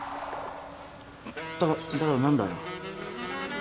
だからだから何だよ。